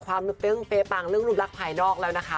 ขวามรุปเต้นเป๊ปังเรื่องรุบรักภายนอกแล้วนะคะ